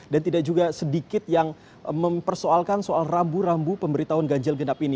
dan tidak juga sedikit yang mempersoalkan soal rambu rambu pemberitahuan ganjigenap ini